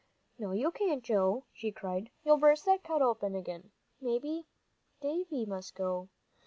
"No, you can't, Joe," she cried, "you'll burst that cut open again, maybe. Davie must go.